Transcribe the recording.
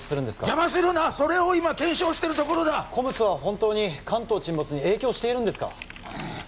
邪魔するなそれを今検証してるところだＣＯＭＳは本当に関東沈没に影響しているんですか？